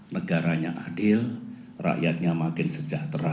negaranya adil rakyatnya makin sejahtera